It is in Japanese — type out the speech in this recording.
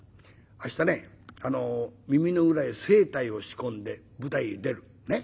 明日ね耳の裏へ青黛を仕込んで舞台へ出る。